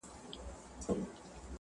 څېړونکی د خپلي تجربي یاداښتونه زیاتوي.